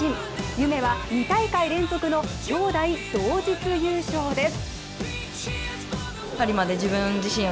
夢は２大会連続のきょうだい同日優勝です。